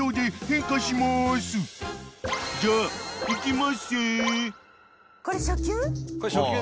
［じゃあいきまっせ］